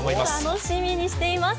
楽しみにしています。